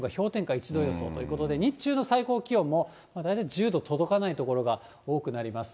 １度予想ということで、日中の最高気温も、大体１０度届かない所が多くなります。